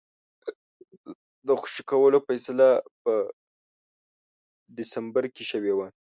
د خوشي کولو فیصله په ډسمبر کې شوې وه.